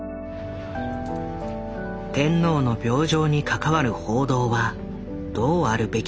天皇の病状に関わる報道はどうあるべきか。